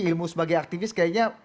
ilmu sebagai aktivis kayaknya